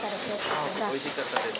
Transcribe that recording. おいしかったです。